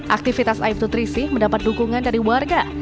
aktivitas aibtu trisih mendapat dukungan dari warga